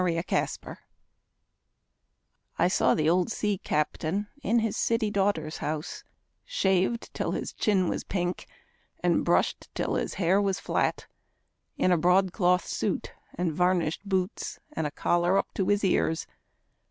OLD BOATS I saw the old sea captain in his city daughter's house, Shaved till his chin was pink, and brushed till his hair was flat, In a broadcloth suit and varnished boots and a collar up to his ears.